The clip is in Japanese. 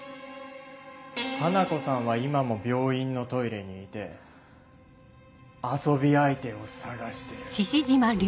花子さんは今も病院のトイレにいて遊び相手を探してる。